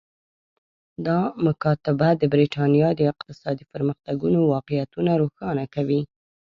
دا مکاتبه د برېټانیا د اقتصادي پرمختګونو واقعیتونه روښانه کوي